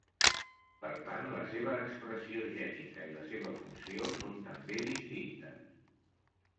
Per tant, la seva expressió gènica i la seva funció són també distintes.